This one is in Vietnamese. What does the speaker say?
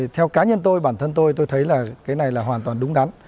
theo cá nhân tôi bản thân tôi tôi thấy là cái này là hoàn toàn đúng đắn